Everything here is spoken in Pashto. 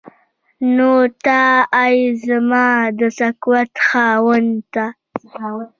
نو ته ای زما د سکوت خاونده.